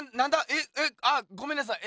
ええあごめんなさい！